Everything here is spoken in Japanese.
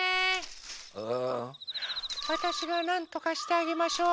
わたしがなんとかしてあげましょう。